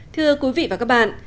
thưa quý vị và các bạn